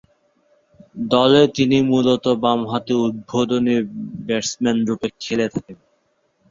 দলে তিনি মূলতঃ বামহাতি উদ্বোধনী ব্যাটসম্যানরূপে খেলে থাকেন।